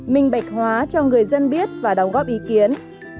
minh bạch hóa cho người dân biết và đóng góp ý kiến